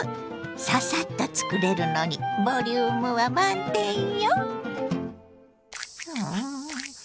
ササッと作れるのにボリュームは満点よ。